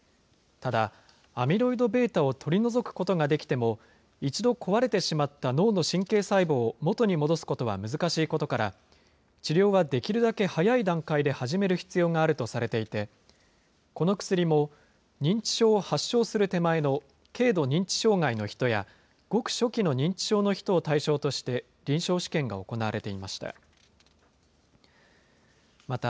ただ、アミロイドβを取り除くことができても、一度壊れてしまった脳の神経細胞を元に戻すことは難しいことから、治療はできるだけ早い段階で始める必要があるとされていて、この薬も認知症を発症する手前の軽度認知障害の人や、ごく初期の認知症の人を対象として臨床試験が行われていました。